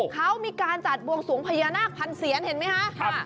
เขามีการจัดบวงสวงพญานาคพันเซียนเห็นไหมคะ